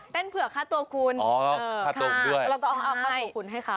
เต้นเผื่อค่าตัวคุณค่ะเราต้องเอาค่าตัวคุณให้เขาค่ะอ๋อค่าตกด้วย